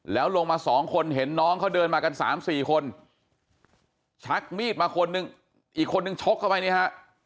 แล้วลงมาสองคนเห็นน้องเขาเดินมากันสามสี่คนชักมีดมาคนหนึ่งอีกคนนึงชกเข้าไปนี่ฮะ